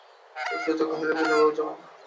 সুচরিতা কহিল, বিনয়বাবু, যাবেন না।